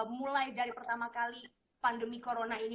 mulai dari pertama kali pandemi corona ini